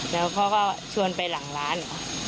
แล้วเขาก็ชวนไปหลังร้าน